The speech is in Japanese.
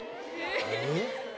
えっ？